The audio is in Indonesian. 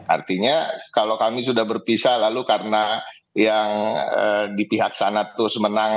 artinya kalau kami sudah berpisah lalu karena yang di pihak sana terus menang